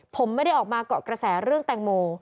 ผมไม่ได้ออกมาเกาะกระแสเรื่องแตงโม